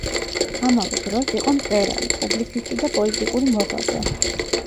ამავე დროს, იყო მწერალი, პუბლიცისტი და პოლიტიკური მოღვაწე.